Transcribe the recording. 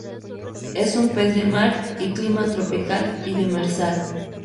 Es un pez de mar y clima tropical y demersal.